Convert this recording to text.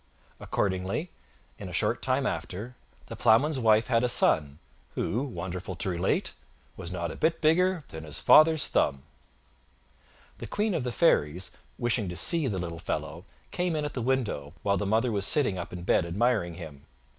Accordingly, in a short time after, the Ploughman's wife had a son, who, wonderful to relate! was not a bit bigger than his father's thumb. The Queen of the fairies, wishing to see the little fellow, came in at the window, while the mother was sitting up in bed admiring him.